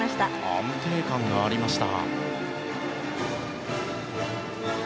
安定感がありました。